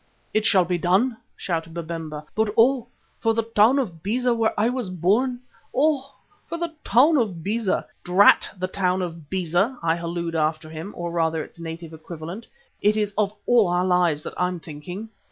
"It shall be done," shouted Babemba, "but oh! for the town of Beza where I was born! Oh! for the town of Beza!" "Drat the town of Beza!" I holloaed after him, or rather its native equivalent. "It is of all our lives that I'm thinking."